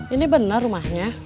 ini bener rumahnya